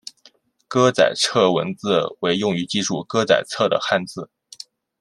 歌仔册文字为用于记述歌仔册的汉字。